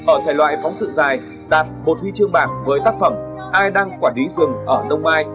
ở thể loại phóng sự dài đạt một huy chương bạc với tác phẩm ai đang quả đí rừng ở nông mai